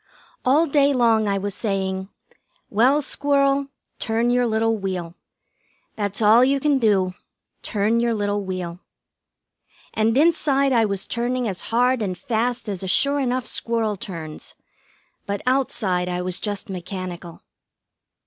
All day long I was saying: "Well, Squirrel, turn your little wheel. That's all you can do; turn your little wheel." And inside I was turning as hard and fast as a sure enough squirrel turns; but outside I was just mechanical.